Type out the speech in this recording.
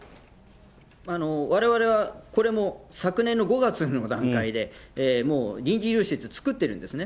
われわれは、これも、昨年の５月の段階で、もう臨時医療施設作ってるんですね。